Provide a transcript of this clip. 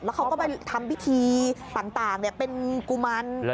แล้วเขาก็ไปทำวิธีต่างเป็นกุมารเป็นลูกรอบ